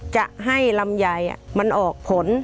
จะให้ลำไยมันออกผล